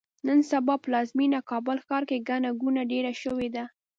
نن سبا پلازمېینه کابل ښار کې ګڼه ګوڼه ډېره شوې ده.